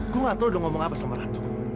gue gak tahu lo udah ngomong apa sama ratu